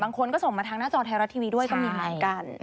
คนก็ส่งมาทางหน้าจอไทยรัฐทีวีด้วยก็มีเหมือนกัน